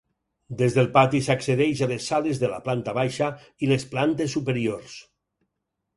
Des del pati s'accedeix a les sales de la planta baixa i les plantes superiors.